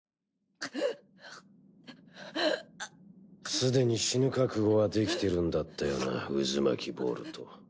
すでに死ぬ覚悟はできてるんだったよなうずまきボルト。